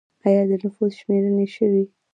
آیا د نفوس شمېرنه شوې؟